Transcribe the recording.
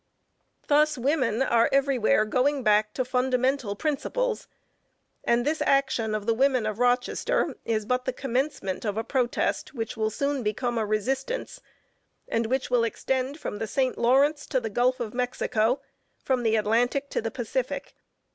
Thus women are everywhere going back to fundamental principles, and this action of the women of Rochester is but the commencement of a protest which will soon become a resistance, and which will extend from the St. Lawrence to the Gulf of Mexico, from the Atlantic to the Pacific.